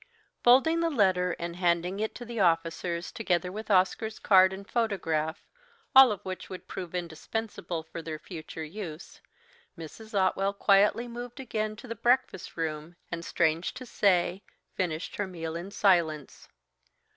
Folding the letter, and handing it to the officers, together with Oscar's card and photograph all of which would prove indispensable for their future use Mrs. Otwell quietly moved again to the breakfast room, and, strange to say, finished her meal in silence.